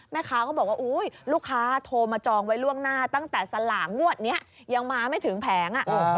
แม่ค้าเขาบอกว่าลูกค้าโทรมาจองไว้ล่วงหน้าตั้งแต่สลากงวดนี้ยังมาไม่ถึงแผง